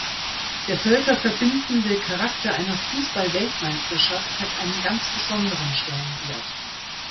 Der völkerverbindende Charakter einer Fußballweltmeisterschaft hat einen ganz besonderen Stellenwert.